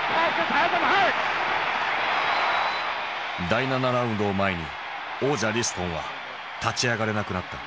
第７ラウンドを前に王者リストンは立ち上がれなくなった。